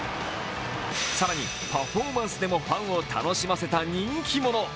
更に、パフォーマンスでもファンを楽しませた人気者。